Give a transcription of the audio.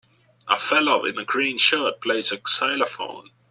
A fellow in a green shirt plays a xylophone.